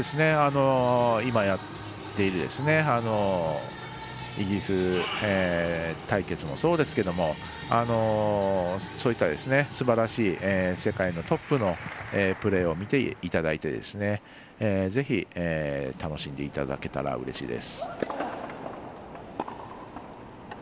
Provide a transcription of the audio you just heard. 今、やっているイギリス対決もそうですけどそういった、すばらしい世界のトップのプレーを見ていただいてぜひ、楽しんでいただけたらうれしいです。